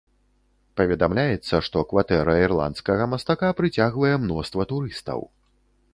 Паведамляецца, што кватэра ірландскага мастака прыцягвае мноства турыстаў.